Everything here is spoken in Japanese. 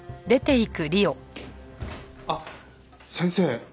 あっ先生。